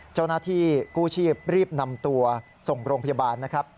เจ้าหน้าที่กู้ชีพรีบนำตัวส่งโรงพยาบาลนะครับ